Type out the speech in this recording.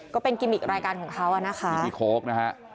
ก็เป็นกมิกวางไงการของเขา